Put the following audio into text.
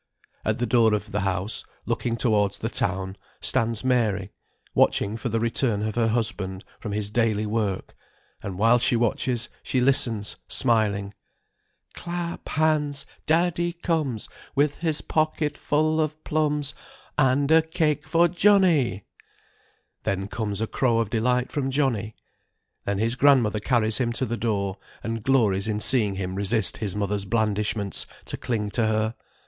At the door of the house, looking towards the town, stands Mary, watching for the return of her husband from his daily work; and while she watches, she listens, smiling; "Clap hands, daddy comes, With his pocket full of plums, And a cake for Johnnie." Then comes a crow of delight from Johnnie. Then his grandmother carries him to the door, and glories in seeing him resist his mother's blandishments to cling to her.